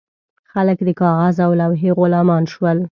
خلک د کاغذ او لوحې غلامان شول.